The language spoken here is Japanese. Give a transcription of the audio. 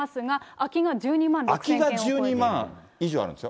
空きが１２万以上あるんですよ。